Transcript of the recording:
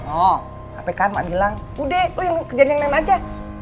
oh hp karma bilang udah lu yang kerjain yang lain aja